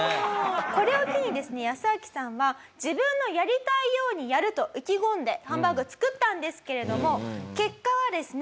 これを機にですねヤスアキさんは自分のやりたいようにやると意気込んでハンバーグ作ったんですけれども結果はですね。